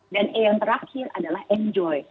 dan e yang terakhir eternal enjoy